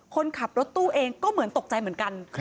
คนขับรถตู้เองก็เหมือนตกใจเหมือนกัน